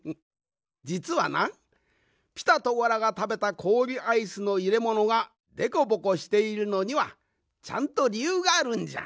じつはなピタとゴラがたべたこおりアイスのいれものがでこぼこしているのにはちゃんとりゆうがあるんじゃ。